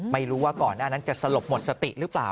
ไม่รู้ว่าก่อนหน้านั้นจะสลบหมดสติหรือเปล่า